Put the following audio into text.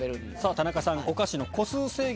田中さん、お菓子の個数制限